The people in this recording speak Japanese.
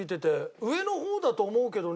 「上の方だと思うけどね」